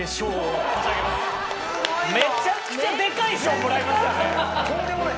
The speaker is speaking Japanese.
めちゃくちゃでかい賞もらいましたね！